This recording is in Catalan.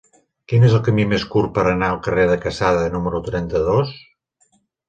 Quin és el camí més curt per anar al carrer de Quesada número trenta-dos?